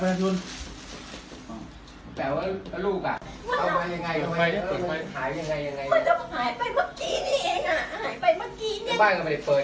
สวัสดีทุกคน